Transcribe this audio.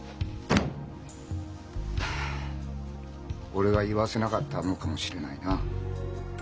俺が言わせなかったのかもしれないな。